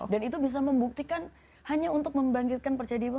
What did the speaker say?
dan itu bisa membuktikan hanya untuk membangkitkan percaya di ibu